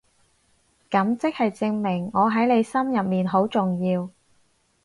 噉即係證明我喺你心入面好重要